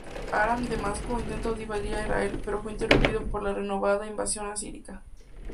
Aram-Damasco intentó invadir Israel, pero fue interrumpido por la renovada invasión asiria.